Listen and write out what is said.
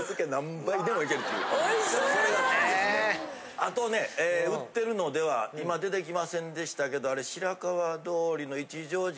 あとね売ってるのでは今出てきませんでしたけどあれ。